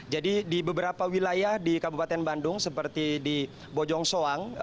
jadi di beberapa wilayah di kabupaten bandung seperti di bojong soang